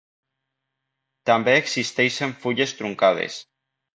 També existeixen fulles truncades.